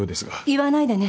言わないでね